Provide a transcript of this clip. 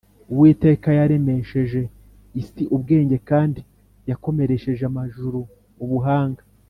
uwiteka yaremesheje isi ubwenge, kandi yakomeresheje amajuru ubuhanga